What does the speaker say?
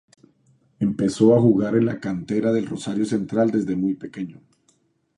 Empezó a jugar en la cantera del Rosario Central desde muy pequeño.